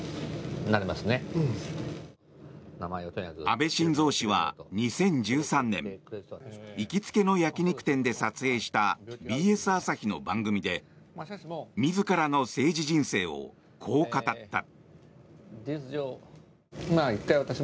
安倍晋三氏は２０１３年行きつけの焼き肉店で撮影したＢＳ朝日の番組で自らの政治人生をこう語った。